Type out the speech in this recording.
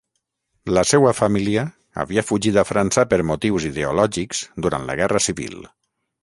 La seua família havia fugit a França per motius ideològics durant la Guerra Civil.